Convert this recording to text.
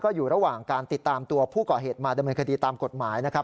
อยู่ระหว่างการติดตามตัวผู้ก่อเหตุมาดำเนินคดีตามกฎหมายนะครับ